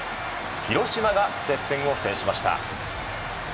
広島が接戦を制しました。